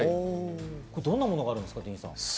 どんなものがあるんですか？